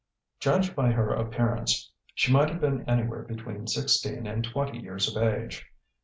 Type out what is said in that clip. Judged by her appearance, she might have been anywhere between sixteen and twenty years of age.